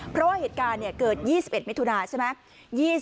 เพราะเหตุการณ์เนี่ยเกิด๒๑เมธุนายนใช่ไหม